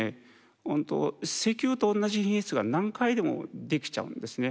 本当石油と同じ品質が何回でもできちゃうんですね。